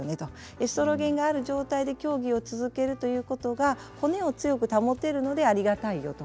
エストロゲンがある状態で競技を続けるということが骨を強く保てるのでありがたいよと。